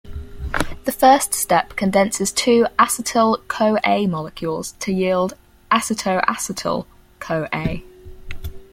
The first step condenses two acetyl-CoA molecules to yield acetoacetyl-CoA.